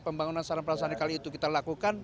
pembangunan sarang perasana kali itu kita lakukan